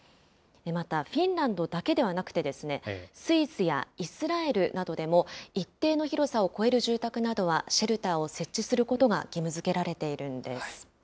また、フィンランドだけではなくて、スイスやイスラエルなどでも、一定の広さを超える住宅などは、シェルターを設置することが義務づけられているんです。